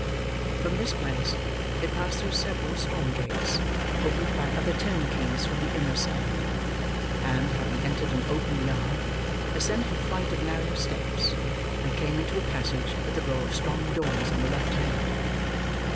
From this place, they passed through several strong gates, opened by other turnkeys from the inner side; and, having entered an open yard, ascended a flight of narrow steps, and came into a passage with a row of strong doors on the left hand.